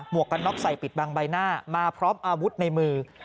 วกกันน็อกใส่ปิดบังใบหน้ามาพร้อมอาวุธในมือ